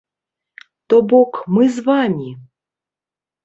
То бок, мы з вамі.